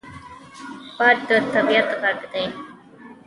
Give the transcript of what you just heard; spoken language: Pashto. باد د طبعیت غږ دی